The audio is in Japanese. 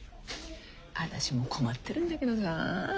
あたしも困ってるんだけどさ。